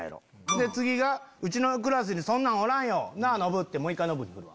で次が「うちのクラスにそんなんおらんよ！なぁノブ」ってもう１回ノブにふるわ。